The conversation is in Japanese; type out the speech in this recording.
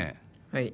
はい。